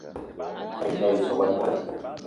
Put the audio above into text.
Me ye sop a nda